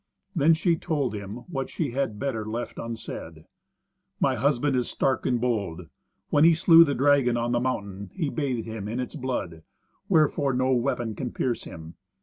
Then she told him what she had better have left unsaid. "My husband is stark and bold. When that he slew the dragon on the mountain, he bathed him in its blood; wherefore no weapon can pierce him.